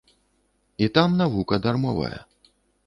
І там навука дармовая.